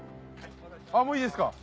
もういいですか？